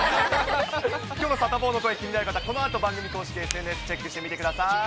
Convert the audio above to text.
きょうのサタボーの声、気になる方、このあと番組公式ＳＮＳチェックしてみてください。